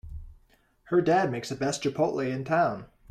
Her dad makes the best chipotle in town!